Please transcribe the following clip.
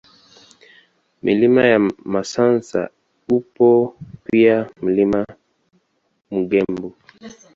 Milima ya Misansa upo pia Mlima Mkegumba